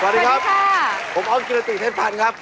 สวัสดีครับสวัสดีค่ะผมอ้อมกีษติทัศน์พันธ์ครับ